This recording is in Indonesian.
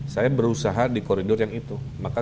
saya berusaha di koridor yang itu maka